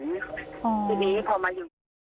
ทีนี้พอมาติดขึ้น